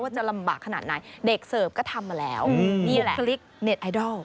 ว่าจะลำบากขนาดไหนเด็กเสิร์ฟก็ทำมาแล้วอืมนี่แหละอิดัล